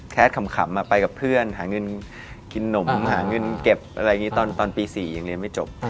ขำไปกับเพื่อนหาเงินกินหนมหาเงินเก็บอะไรอย่างนี้ตอนปี๔ยังเรียนไม่จบ